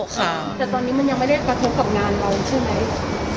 แต่ตอนนี้มันยังไม่ได้กระทบกับงานเราใช่ไหม